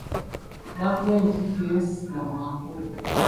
Gavumenti teyeesigamwako.